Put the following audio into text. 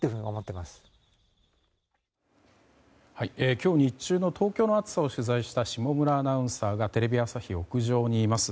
今日日中の東京の暑さを取材した下村アナウンサーがテレビ朝日屋上にいます。